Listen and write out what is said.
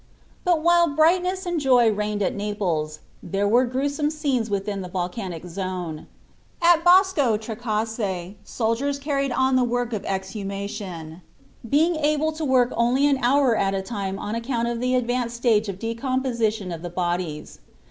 But while brightness and joy reigned at Naples, there were gruesome scenes within the volcanic zone. At Bosco Trecase soldiers carried on the work of exhumation, being able to work only an hour at a time on account of the advanced stage of decomposition of the bodies.